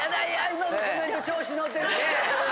今のコメント調子のってるね。